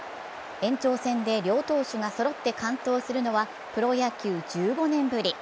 延長戦で両投手がそろって完投するのは、プロ野球１５年ぶり。